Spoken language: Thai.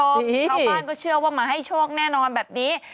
ชาวบ้านก็เชื่อว่ามาให้โชคแน่นอนแบบนี้